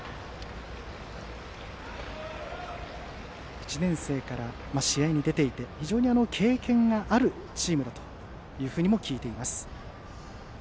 １年生から試合に出ていて非常に経験があるチームだと聞いています。